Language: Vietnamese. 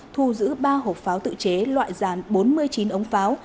thu giữ ba hộp pháo tự chế loại dàn bốn mươi chín ống pháo